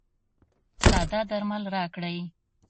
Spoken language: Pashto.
ساده درمل راکړئ.